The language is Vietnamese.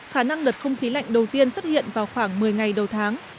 khả năng đợt không khí lạnh đầu tiên xuất hiện vào khoảng một mươi ngày đầu tháng